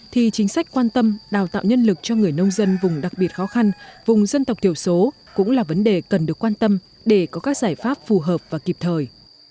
thì chính sách quan tâm đào tạo nhân lực cho người nông dân vùng đặc biệt khó khăn vùng dân tộc thiểu số cũng là vấn đề cần được quan tâm để có các giải pháp phù hợp và kịp thời